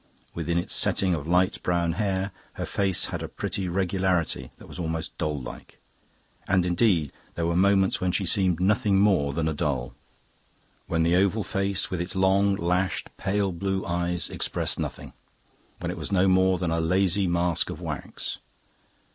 Within its setting of light brown hair her face had a pretty regularity that was almost doll like. And indeed there were moments when she seemed nothing more than a doll; when the oval face, with its long lashed, pale blue eyes, expressed nothing; when it was no more than a lazy mask of wax.